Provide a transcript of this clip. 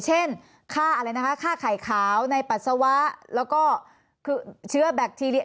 ค่าอะไรนะคะค่าไข่ขาวในปัสสาวะแล้วก็คือเชื้อแบคทีเรีย